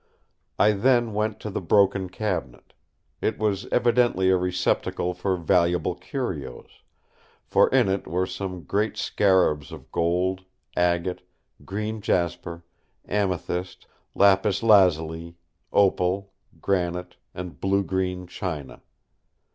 I then went to the broken cabinet. It was evidently a receptacle for valuable curios; for in it were some great scarabs of gold, agate, green jasper, amethyst, lapis lazuli, opal, granite, and blue green china.